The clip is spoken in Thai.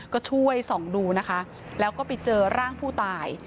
ก็ช่วยส่องดูนะคะแล้วก็ไปเจอร่างผู้ตาย